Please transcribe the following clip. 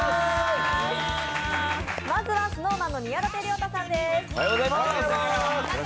まずはＳｎｏｗＭａｎの宮舘涼太さんです。